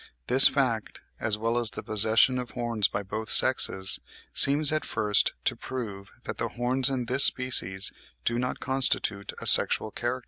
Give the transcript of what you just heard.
This fact, as well as the possession of horns by both sexes, seems at first to prove that the horns in this species do not constitute a sexual character (17.